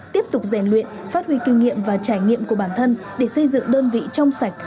tiếp tục rèn luyện phát huy kinh nghiệm và trải nghiệm của bản thân để xây dựng đơn vị trong sạch